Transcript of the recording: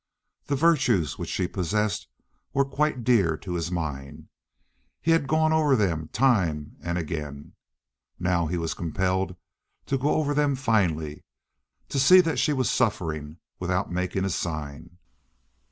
The virtues which she possessed were quite dear to his mind. He had gone over them time and again. Now he was compelled to go over them finally, to see that she was suffering without making a sign.